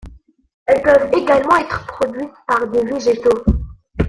Elles peuvent également être produites par des végétaux.